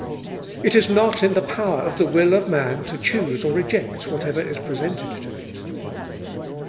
"It is not in the power of the will of man to choose or reject whatever is presented to it.